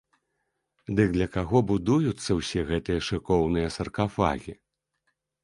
Дык для каго будуюцца ўсе гэтыя шыкоўныя саркафагі?